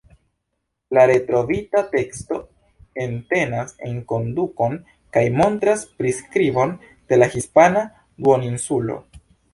La retrovita teksto entenas enkondukon kaj montras priskribon de la hispana duoninsulo.